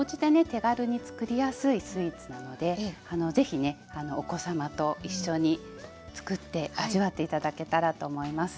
手軽につくりやすいスイーツなのでぜひねお子様と一緒につくって味わって頂けたらと思います。